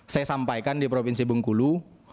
saya sampaikan di provinsi bengkulu